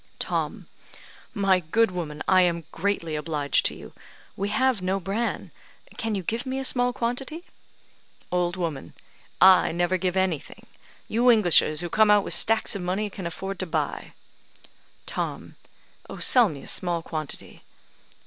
Tom: "My good woman, I am greatly obliged to you. We have no bran; can you give me a small quantity?" Old woman: "I never give anything. You Englishers, who come out with stacks of money, can afford to buy." Tom: "Sell me a small quantity."